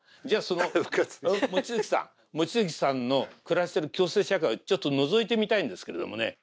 じゃあその望月さん望月さんの暮らしてる共生社会をちょっとのぞいてみたいんですけれどもね。